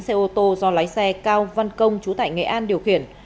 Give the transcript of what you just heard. xe ô tô do lái xe cao văn công chú tại nghệ an điều khiển